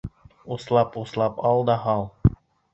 Услап-услап ал да һал